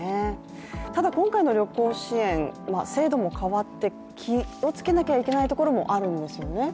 ただ、今回の旅行支援、制度も変わって気をつけなきゃいけないところもあるんですよね。